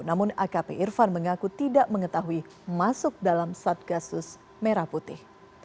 namun akp irfan mengaku tidak mengetahui masuk dalam satgasus merah putih